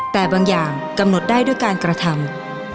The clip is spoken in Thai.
แต่บางอย่างกำหนดได้ด้วยการกระทำ